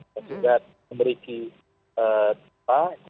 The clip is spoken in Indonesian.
sehingga memberi tipe